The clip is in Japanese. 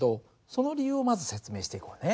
その理由をまず説明していこうね。